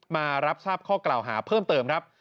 มารับทราบข้อกล่าวหาเพิ่มเติมครับ